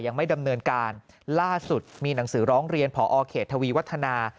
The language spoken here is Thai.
ยังไม่ดำเนินการล่าสุดมีหนังสือร้องเรียนพอเขตทวีวัฒนา